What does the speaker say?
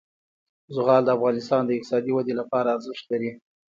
زغال د افغانستان د اقتصادي ودې لپاره ارزښت لري.